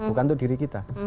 bukan untuk diri kita